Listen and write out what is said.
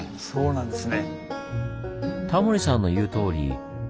そうなんですよ。